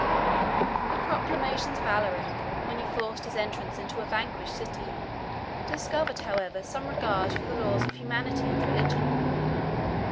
] The proclamation of Alaric, when he forced his entrance into a vanquished city, discovered, however, some regard for the laws of humanity and religion.